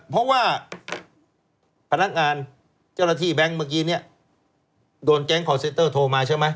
เพราะว่าพนักงานเจ้าหน้าที่แบงค์เมื่อกี้เนี่ยโดนแก๊งคอร์เซนเตอร์โทรมาใช่ไหม